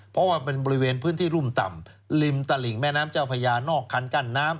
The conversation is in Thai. เพราะว่าเป็นบริเวณพื้นที่รุ่มต่ำริมตลิ่งแม่น้ำเจ้าพญานอกคันกั้นน้ำ